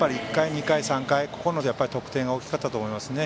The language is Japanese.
１回、２回、３回の得点が大きかったと思いますね。